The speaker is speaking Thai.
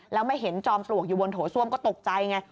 แล้วมาเห็นจอมปลวกอยู่บนโถส้วมก็ตกใจไง